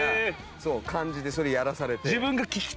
そう感じでそれやらされて。